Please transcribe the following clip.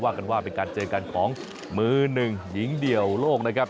กันว่าเป็นการเจอกันของมือหนึ่งหญิงเดี่ยวโลกนะครับ